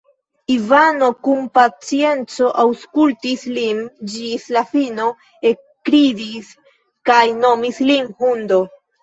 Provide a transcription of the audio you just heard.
Ivano kun pacienco aŭskultis lin ĝis la fino, ekridis kaj nomis lin hundo.